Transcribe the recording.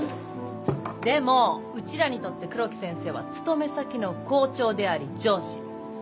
でもうちらにとって黒木先生は勤め先の校長であり上司。